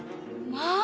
まあ！